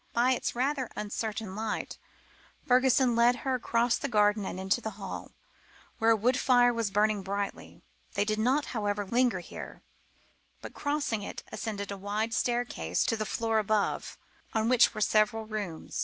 By its rather uncertain light, Fergusson led her across the garden and into the hall, where a wood fire was burning brightly. They did not, however, linger here, but, crossing it, ascended a wide staircase to the floor above, on which were several rooms.